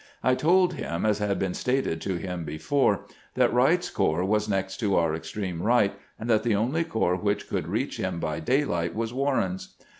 I told him, as had been stated to him be fore, that "Wright's corps was next to our extreme right, and that the only corps which could reach him by day light was Warren's.